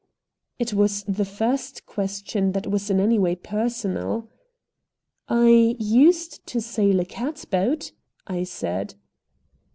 It was the first question that was in any way personal. "I used to sail a catboat," I said.